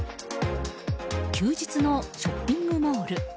休日のショッピングモール。